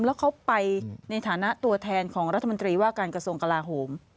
แล้วเขาไปในฐานะตัวแทนของรัฐมนตรีว่าการกระทรวงกลาโหม